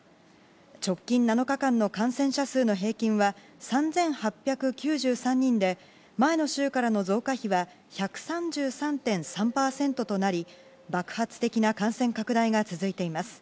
直近７日間の感染者数の平均は３８９３人で前の週から増加比は１３３．３％となり、爆発的な感染拡大が続いています。